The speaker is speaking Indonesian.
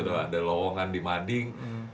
ada lowongan di mading